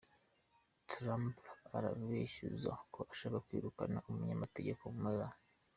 Trump arabeshuza ko ashaka kwirukana umunyamategeko Mueller.